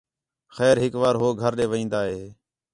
خیر ہِک وار ہو گھر ݙے وین٘داں ہِے